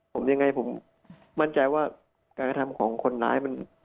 ผมยังไงผมมั่นใจว่าการกระทำของคนร้ายมัน